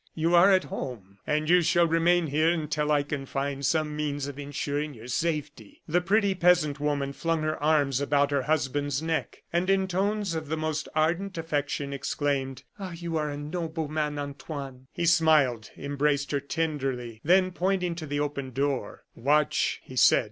"You are at home, and you shall remain here until I can find some means of insuring your safety." The pretty peasant woman flung her arms about her husband's neck, and in tones of the most ardent affection exclaimed: "Ah! you are a noble man, Antoine." He smiled, embraced her tenderly, then, pointing to the open door: "Watch!" he said.